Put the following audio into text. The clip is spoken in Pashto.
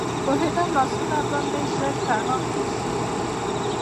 پوهېدم چې لاسونه به مې ژر تڼاکي شي.